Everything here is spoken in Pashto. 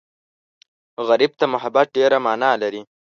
غریب ته محبت ډېره مانا لري